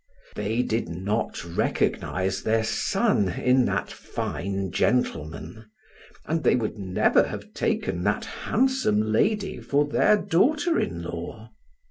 They did not recognize their son in that fine gentleman, and they would never have taken that handsome lady for their daughter in law.